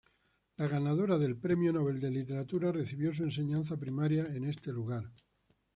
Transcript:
La ganadora del premio nobel de literatura, recibió su enseñanza primaria en este lugar.